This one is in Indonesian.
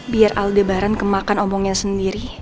biar aldebaran kemakan omongnya sendiri